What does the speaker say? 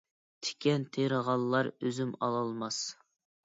تىكەن تېرىغانلار ئۈزۈم ئالالماس.